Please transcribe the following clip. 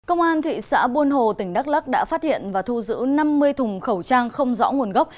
công an thị xã buôn hồ tỉnh đắk lắc đã phát hiện và thu giữ năm mươi thùng khẩu trang không rõ nguồn gốc